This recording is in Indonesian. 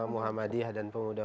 muhammadiyah dan pemuda